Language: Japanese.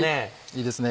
いいですね